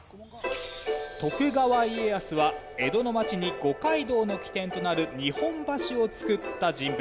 徳川家康は江戸のまちに五街道の起点となる日本橋をつくった人物。